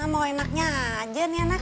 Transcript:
mau enaknya aja nih enak